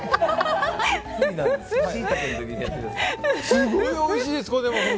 すごいおいしいです。